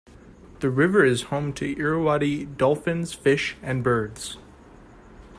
The river is home to Irrawaddy dolphins, fish, and birds.